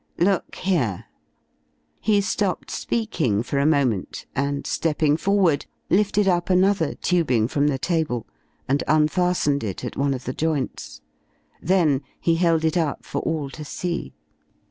Look here " He stopped speaking for a moment and, stepping forward, lifted up another tubing from the table, and unfastened it at one of the joints. Then he held it up for all to see.